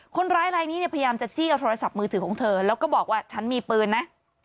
คนร้ายลายนี้เนี่ยพยายามจะจี้เอาโทรศัพท์มือถือของเธอแล้วก็บอกว่าฉันมีปืนนะ